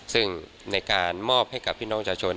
ซึ่งในการมอบให้กับพี่น้องชาชน